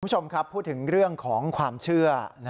คุณผู้ชมครับพูดถึงเรื่องของความเชื่อ